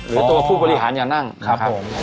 หรือตัวผู้บริหารอย่านั่งครับผม